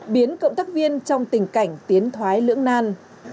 biến cộng tác viên trong tình cảnh tiến thoái lưỡng nan